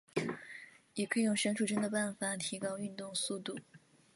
也可以用删除帧的办法提高运动速度。